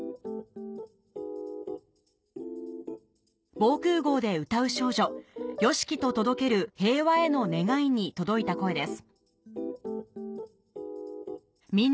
『防空壕で歌う少女ＹＯＳＨＩＫＩと届ける平和への願い』に届いた声です